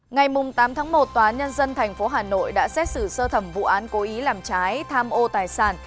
ngày tám tháng một tòa nhân dân tp hà nội đã xét xử sơ thẩm vụ án cố ý làm trái tham ô tài sản